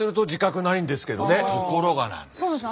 ところがなんですよ。